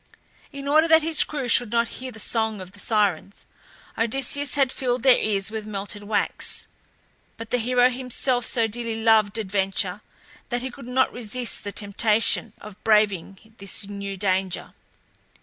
In order that his crew should not hear the song of the Sirens, Odysseus had filled their ears with melted wax; but the hero himself so dearly loved adventure that he could not resist the temptation of braving this new danger.